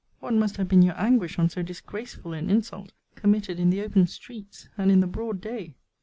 What must have been your anguish on so disgraceful an insult, committed in the open streets, and in the broad day!